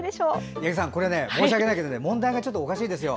八木さん、申し訳ないけど問題がおかしいですよ。